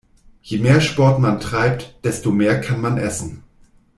Je mehr Sport man treibt, desto mehr kann man Essen.